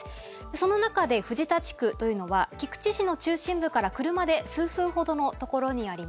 その中で藤田地区というのは菊池市の中心部から車で数分ほどのところにあります。